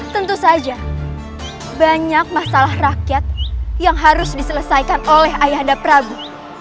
tentu saja banyak masalah rakyat yang harus diselesaikan oleh ayah anda prabu